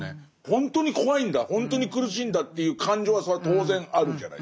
ほんとに怖いんだほんとに苦しいんだという感情はそれは当然あるじゃないですか。